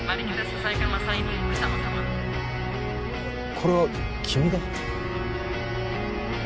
これは君が！？